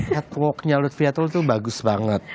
networknya luthvia tool itu bagus banget